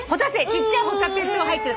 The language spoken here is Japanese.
ちっちゃいホタテ入ってる。